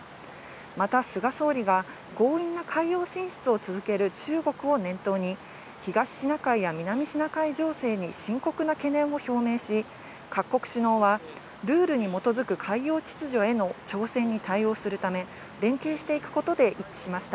また菅総理が強引な海洋進出を続ける中国を念頭に東シナ海や南上海情勢に深刻な懸念を表明し、各国首脳はルールに基づく海洋秩序への挑戦に対応するため、連携していくことで一致しました。